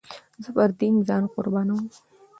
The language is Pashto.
زه پر دين ځان قربانوم.